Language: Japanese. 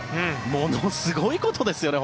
ものすごいことですよね